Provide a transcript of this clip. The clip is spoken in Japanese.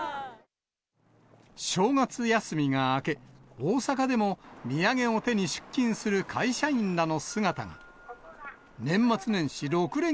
正月休みが明け、大阪でも土産を手に出勤する会社員らの姿が。